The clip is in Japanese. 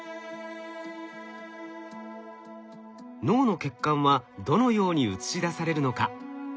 脳の血管はどのように映し出されるのか？